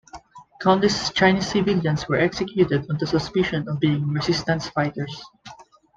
Countless Chinese civilians were executed on the suspicion of being resistance fighters.